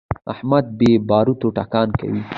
احمد بې باروتو ټکان کوي.